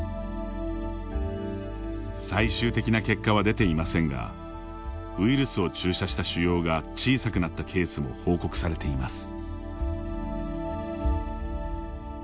最終的な結果は出ていませんがウイルスを注射した腫瘍が小さくなったケースも報告されています。